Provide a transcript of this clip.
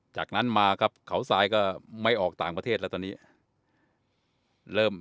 จากนั้นมาครับเขาทรายก็ไม่ออกต่างประเทศแล้วตอนนี้เริ่ม